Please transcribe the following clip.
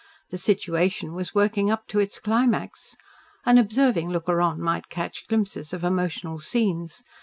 The situation was working up to its climax. An observing looker on might catch glimpses of emotional scenes.